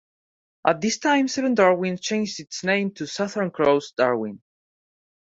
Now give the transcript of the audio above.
At this time, "Seven Darwin" changed its name to "Southern Cross Darwin".